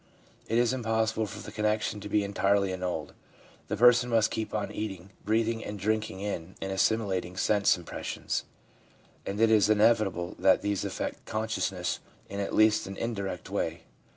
It is impossible for the connection to be entirely annulled — the person must keep on eating, breathing, and drinking in and assimilating sense impressions; and it is inevit able that these affect consciousness in at least an in direct way.